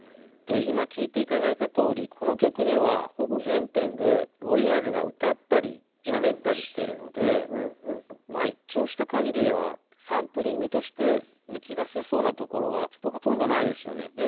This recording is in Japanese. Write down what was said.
で今聴いていただいたとおりこの曲ではほぼ全編でロイ・エアーズが歌ったりしゃべったりしているので一聴した限りではサンプリングとして抜き出せそうなところがほとんどないですよね。